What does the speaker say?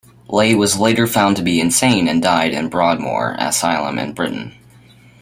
Ley was later found to be insane and died in Broadmoor Asylum in Britain.